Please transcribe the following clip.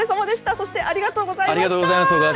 そして、ありがとうございました！